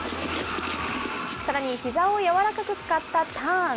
さらにひざを柔らかく使ったターン。